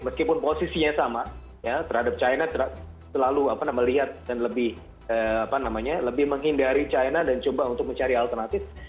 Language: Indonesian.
meskipun posisinya sama terhadap china selalu melihat dan lebih menghindari china dan coba untuk mencari alternatif